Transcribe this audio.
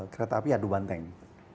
kereta api adu banteng